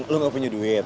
lo gak punya duit